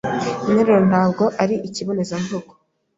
Interuro ntabwo ari ikibonezamvugo.